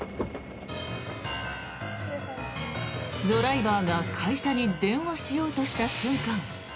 ドライバーが会社に電話しようとした瞬間